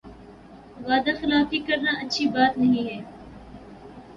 وعدہ خلافی کرنا اچھی بات نہیں ہے